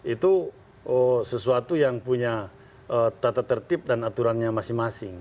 itu sesuatu yang punya tata tertib dan aturannya masing masing